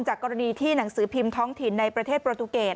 กรณีที่หนังสือพิมพ์ท้องถิ่นในประเทศประตูเกต